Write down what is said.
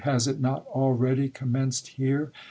Has it not already commenced here?